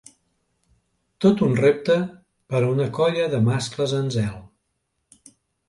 Tot un repte per a una colla de mascles en zel.